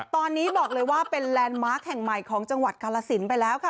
ตอนนี้บอกเลยว่าเป็นแลนด์มาร์คแห่งใหม่ของจังหวัดกาลสินไปแล้วค่ะ